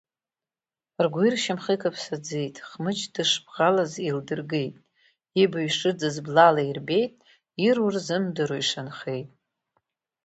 Ргәи ршьамхи каԥсаӡеит, Хмыҷ дшыбӷалаз еилдыргеит, ибаҩ шыӡыз блала ирбеит, ируа рзымдыруа ишанхеит.